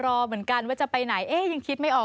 ก็จะมีการพิพากษ์ก่อนก็มีเอ็กซ์สุข่อน